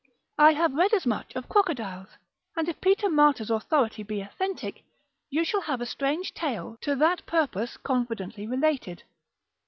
I have read as much of crocodiles; and if Peter Martyr's authority be authentic, legat. Babylonicae lib. 3. you shall have a strange tale to that purpose confidently related.